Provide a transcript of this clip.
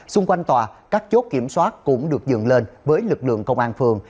xung quanh tòa các chốt kiểm soát cũng được dừng lên với lực lượng công an phường